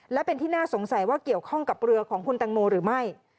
และเป็นที่น่าสงสัยว่าเกี่ยวข้องกับเรือของคุณตังโมหรือไม่